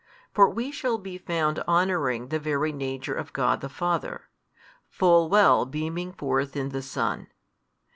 for we shall be found honouring the very Nature of God the Father, full well beaming forth in the Son.